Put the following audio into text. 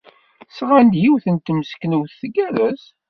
Sɣan-d yiwet n temseknewt tgerrez.